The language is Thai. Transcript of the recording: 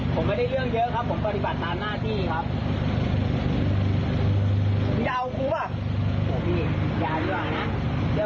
ผมไม่ได้เรื่องเยอะครับผมปฏิบัติตามหน้าที่ครับ